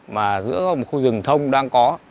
mà giữa một khu rừng thông đang có